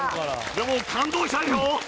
でも感動したよ。